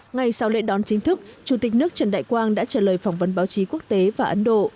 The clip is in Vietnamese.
ngay sau lễ đón chính thức chủ tịch nước trần đại quang đã trả lời phỏng vấn báo chí quốc tế và ấn độ